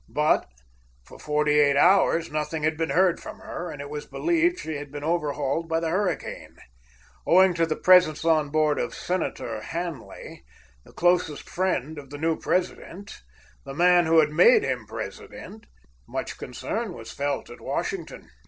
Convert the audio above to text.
But for forty eight hours nothing had been heard from her, and it was believed she had been overhauled by the hurricane. Owing to the presence on board of Senator Hanley, the closest friend of the new President, the man who had made him president, much concern was felt at Washington.